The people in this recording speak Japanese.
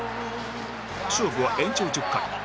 勝負は延長１０回